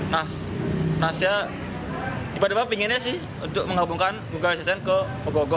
nah nasihat tiba tiba pinginnya sih untuk menggabungkan google asisten ke ogo ogo